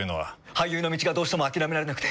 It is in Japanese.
俳優の道がどうしても諦められなくて。